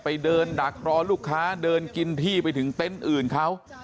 ไปเดินดักรอลูกค้าเดินกินที่ไปถึงเต็นต์อื่นเขา